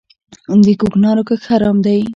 د کوکنارو کښت حرام دی؟